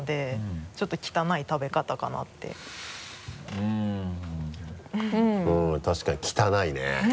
うん確かに汚いね。